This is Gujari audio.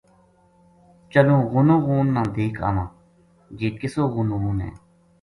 چلوں غونو غون نا دیکھ آوں جی کِسو غونو غون ہے